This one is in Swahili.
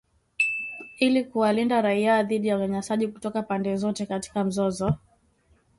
ili kuwalinda raia dhidi ya unyanyasaji kutoka pande zote katika mzozo